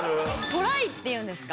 トライっていうんですか？